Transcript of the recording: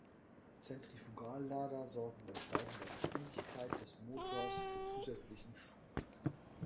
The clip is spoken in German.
Zentrifugallader sorgen bei steigender Geschwindigkeit des Motors für zusätzlichen Schub.